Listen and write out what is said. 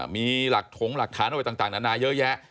มีหลักถงหลักฐานอะไรต่างนานาเยอะแยะ